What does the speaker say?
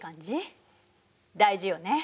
大事よね。